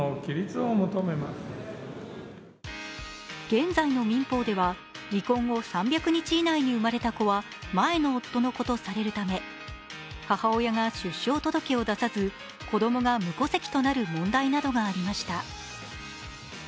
現在の民法では離婚後３００日以内に生まれた子は前の夫の子とされるため、母親が出生届を出さず子供が無戸籍となる問題などがありました。